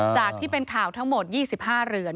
ที่เป็นข่าวทั้งหมด๒๕เรือน